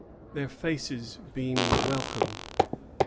Their faces beamed welcome.